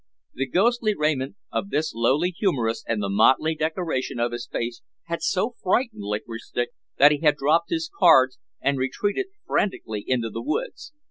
The ghostly raiment of this lowly humorist and the motley decoration of his face had so frightened Licorice Stick that he had dropped his cards and retreated frantically into the woods.